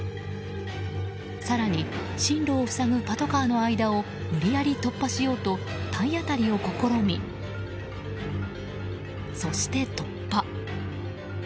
更に、進路を塞ぐパトカーの間を無理やり突破しようと体当たりを試み、そして突破。